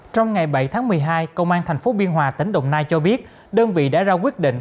trong ngày bảy tháng một mươi hai công an tp biên hòa tỉnh đồng nai cho biết đơn vị đã ra quyết định